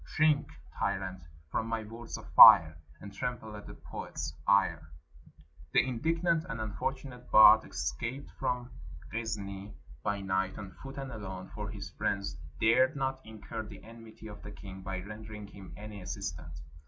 Shrink, tyrant, from my words of fire, And tremble at a poet's ire." 383 PERSIA The indignant and unfortunate bard escaped from Ghizni by night, on foot and alone, for his friends dared not incur the enmity of the king by rendering him any assistance.